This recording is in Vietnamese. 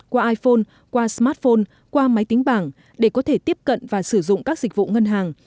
qua iphone qua smartphone qua máy tính bảng để có thể tiếp cận và sử dụng các dịch vụ ngân hàng